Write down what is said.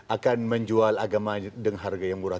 akan menjual agama dengan harga yang murah